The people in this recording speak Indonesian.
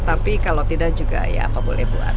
tapi kalau tidak juga ya apa boleh buat